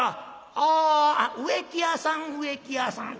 「ああ植木屋さん植木屋さん。